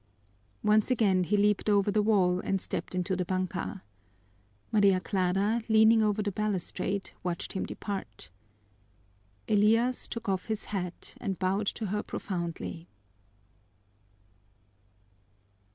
Once again he leaped over the wall and stepped into the banka. Maria Clara, leaning over the balustrade, watched him depart. Elias took off his hat and bowed to her profoundly.